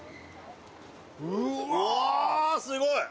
うわうわすごい！